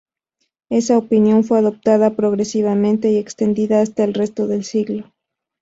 Esa opinión fue adoptada progresivamente y extendida hasta el resto del siglo.